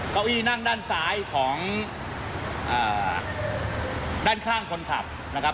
เก้าอี้นั่งด้านซ้ายของด้านข้างคนขับนะครับ